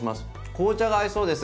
紅茶が合いそうです。